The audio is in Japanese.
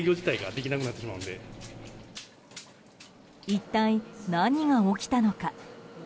一体何が起きたのか？